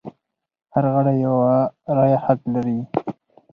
هر غړی یوه رایه حق لري.